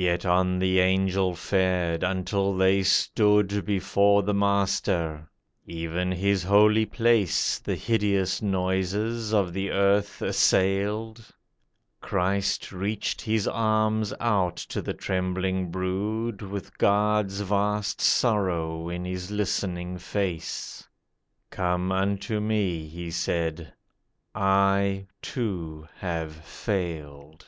Yet on the Angel fared, until they stood Before the Master. (Even His holy place The hideous noises of the earth assailed.) Christ reached His arms out to the trembling brood, With God's vast sorrow in His listening face. Come unto Me,' He said; 'I, too, have failed.